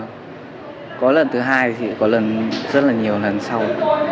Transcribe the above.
thứ hai thì có lần rất là nhiều lần sau